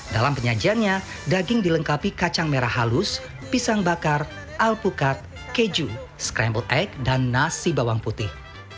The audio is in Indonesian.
dalam penyajiannya daging dilengkapi kacang merah halus pisang bakar alpukat keju scramble egg dan nasi bawang putih